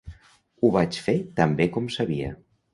Ho vaig fer tan bé com sabia.